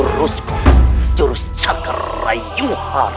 tapi sayang saat aku nyaris mundur